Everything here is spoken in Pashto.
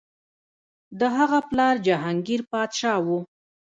د هغه پلار جهانګیر پادشاه و.